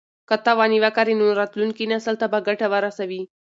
که ته ونې وکرې نو راتلونکي نسل ته به ګټه ورسوي.